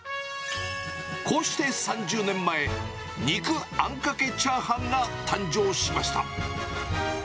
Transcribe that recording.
こうして３０年前、肉あんかけチャーハンが誕生しました。